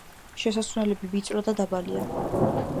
შესასვლელები ვიწრო და დაბალია.